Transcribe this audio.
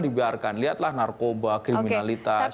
dibiarkan lihatlah narkoba kriminalitas